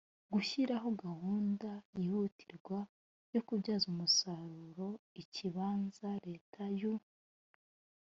gushyiraho gahunda yihutirwa yo kubyaza umusaruro ikibanza leta y u